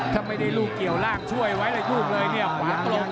ถ้าไม่ได้รู๊คเกี่ยวร่างช่วยไว้อะไรทุ่มเลยเนี่ยหวานตก